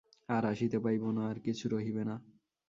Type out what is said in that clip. আর আসিতে পাইব না, আর কিছু রহিবে না!